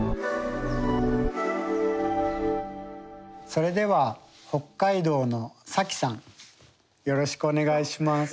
それでは北海道のｓａｋｉさんよろしくお願いします。